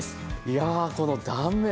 いやこの断面！